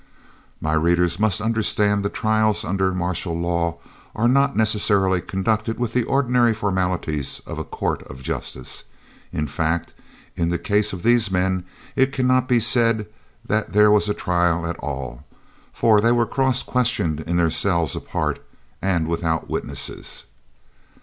My readers must understand that trials under martial law are not necessarily conducted with the ordinary formalities of a court of justice; in fact, in the case of these men it cannot be said that there was a trial at all, for they were cross questioned in their cells apart, and without witnesses.